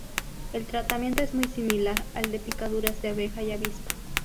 El tratamiento es muy similar al de picaduras de abeja y avispa.